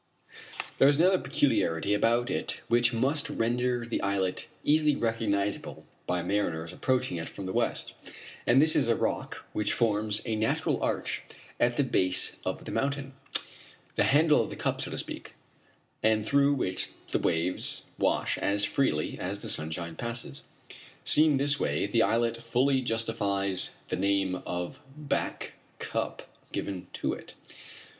There is another peculiarity about it which must render the islet easily recognizable by mariners approaching it from the west, and this is a rock which forms a natural arch at the base of the mountain the handle of the cup, so to speak and through which the waves wash as freely as the sunshine passes. Seen this way the islet fully justifies the name of Back Cup given to it.